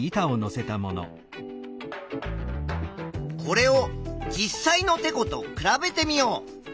これを実際のてこと比べてみよう。